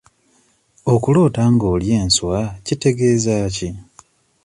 Okuloota nga olya enswa kitegeeza ki?